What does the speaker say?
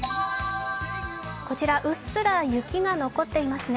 こちら、うっすら雪が残っていますね。